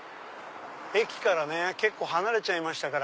駅からね結構離れちゃいましたから。